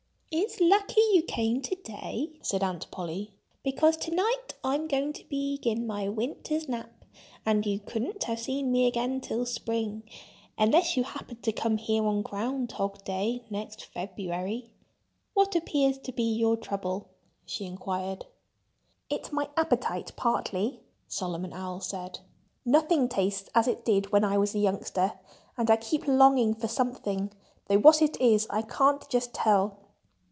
"It's lucky you came to day," said Aunt Polly. "Because to night I'm going to begin my winter's nap. And you couldn't have seen me again till spring—unless you happened to come here on ground hog day, next February.... What appears to be your trouble?" she inquired. "It's my appetite, partly," Solomon Owl said. "Nothing tastes as it did when I was a youngster. And I keep longing for something, though what it is I can't just tell."